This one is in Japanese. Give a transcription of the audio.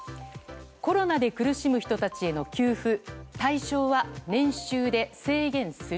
コロナで苦しむ人たちへの給付対象は年収で制限する？